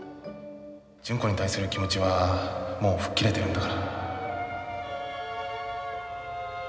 純子に対する気持ちはもう吹っ切れてるんだから。